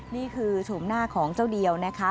นี่คือชมหน้าของเจ้าเดียวนะคะ